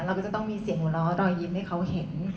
เราก็จะต้องมีเสียงหัวเราะรอยยิ้มให้เขาเห็น